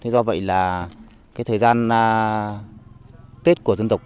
do vậy là cái thời gian tết của dân tộc